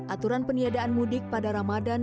aturan peniadaan mudik pada ramadan